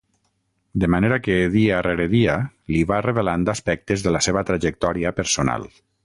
De manera que, dia rere dia, li va revelant aspectes de la seva trajectòria personal.